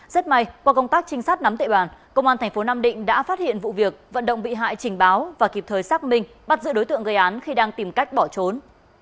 rất may qua công tác trinh sát nắm tệ bàn công an thành phố nam định đã phát hiện vụ việc vận động bị hại trình báo và kịp thời xác minh bắt giữ đối tượng gây án khi đang tìm cách bỏ trốn